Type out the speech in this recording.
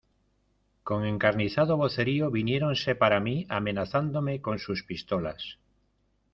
con encarnizado vocerío viniéronse para mí, amenazándome con sus pistolas.